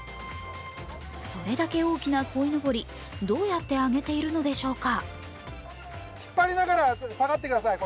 それだけ大きなこいのぼり、どうやって上げているのでしょうか。